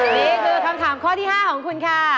นี่คือคำถามข้อที่๕ของคุณค่ะ